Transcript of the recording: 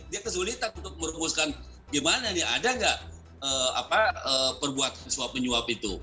dia kesulitan untuk merumuskan gimana nih ada nggak perbuatan suap menyuap itu